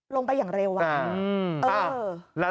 ลงไปอย่างเร็วอะ